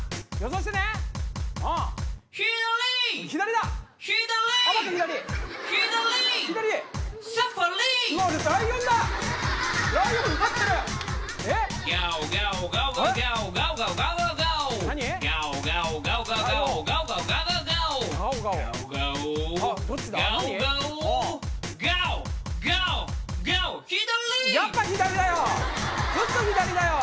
ずっと左だよ！